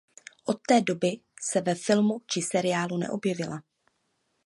Od té doby se ve filmu či seriálu neobjevila.